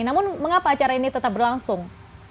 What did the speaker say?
namun mengapa acara ini tetap berlangsung